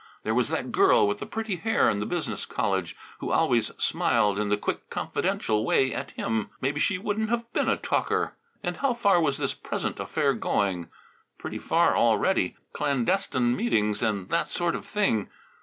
There was that girl with the pretty hair in the business college, who always smiled in the quick, confidential way at him. Maybe she wouldn't have been a talker! And how far was this present affair going? Pretty far already: clandestine meetings and that sort of thing.